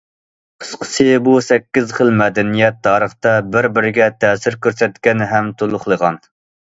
قىسقىسى، بۇ سەككىز خىل مەدەنىيەت تارىختا بىر- بىرىگە تەسىر كۆرسەتكەن ھەم تولۇقلىغان.